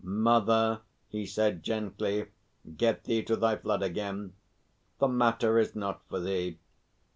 "Mother," he said gently, "get thee to thy flood again. The matter is not for thee.